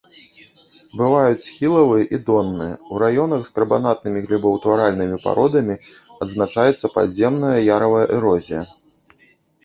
Бываюць схілавыя і донныя, у раёнах з карбанатнымі глебаўтваральнымі пародамі адзначаецца падземная яравая эрозія.